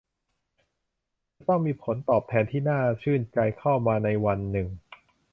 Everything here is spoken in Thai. จะต้องมีผลตอบแทนที่น่าชื่นใจเข้ามาในวันหนึ่ง